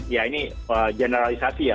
ya ini generalisasi ya